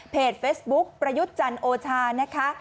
เฟซบุ๊กประยุทธ์จันทร์โอชานะคะ